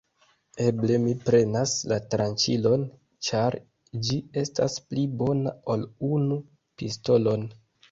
Eble mi prenas la tranĉilon, ĉar ĝi estas pli bona ol unu pistolon.